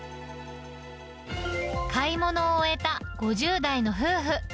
買い物を終えた５０代の夫婦。